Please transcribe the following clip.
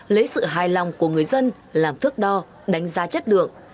lấy sự hài lòng của người dân làm thước đo đánh giá chất lượng